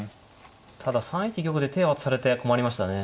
ただ３一玉で手渡されて困りましたね。